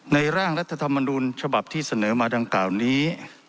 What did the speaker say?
ร่างรัฐธรรมนุนฉบับที่เสนอมาดังกล่าวนี้